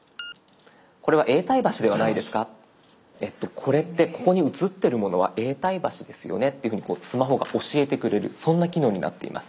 これってここに写ってるものは永代橋ですよねっていうふうにスマホが教えてくれるそんな機能になっています。